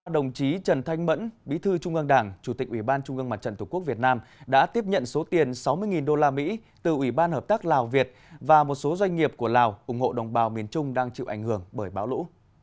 đồng chí trần thanh mẫn bí thư trung ương đảng chủ tịch ủy ban trung ương mặt trận tổ quốc việt nam đã tiếp nhận số tiền sáu mươi usd từ ủy ban hợp tác lào việt và một số doanh nghiệp của lào ủng hộ đồng bào miền trung đang chịu ảnh hưởng bởi bão lũ